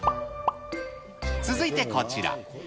続いてこちら。